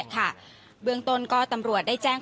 เบื้องต้นก็ตำรวจได้แจ้ง